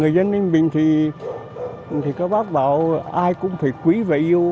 người dân ninh bình thì thì các bác bảo ai cũng phải quý và yêu